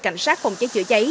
cảnh sát phòng cháy chữa cháy